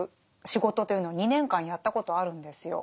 仕事というのを２年間やったことあるんですよ。